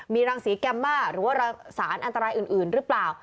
มีรังสีแกมม่าหรือว่าสารอันตรายอื่นหรือเปล่า